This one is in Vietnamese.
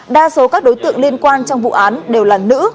đa số các đối tượng liên quan trong vụ án đều là nữ